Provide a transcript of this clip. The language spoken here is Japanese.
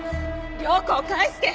涼子を返して！